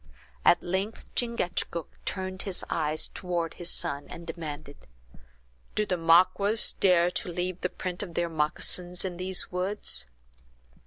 At length Chingachgook turned his eyes slowly toward his son, and demanded: "Do the Maquas dare to leave the print of their moccasins in these woods?"